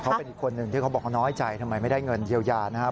เขาเป็นอีกคนหนึ่งที่เขาบอกว่าน้อยใจทำไมไม่ได้เงินเยียวยานะครับ